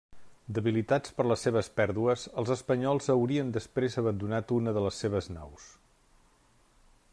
Debilitats per les seves pèrdues, els espanyols haurien després abandonat una de les seves naus.